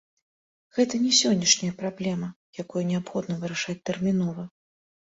Гэта не сённяшняя праблема, якую неабходна вырашаць тэрмінова.